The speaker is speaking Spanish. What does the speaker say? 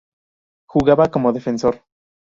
Jugaba como defensor.